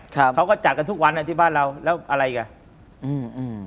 เขาก็จัดกันทุกวันอ่ะที่บ้านเราแล้วอะไรอ่ะอืมอืม